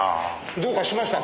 どうかしましたか？